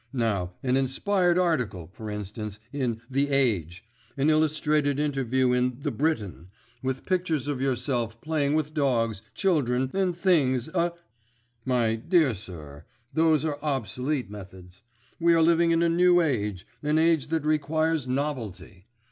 Now, an inspired article, for instance, in The Age, an illustrated interview in The Briton, with pictures of yourself playing with dogs, children and things, a——" "My dear sir, those are obsolete methods. We are living in a new age, an age that requires novelty.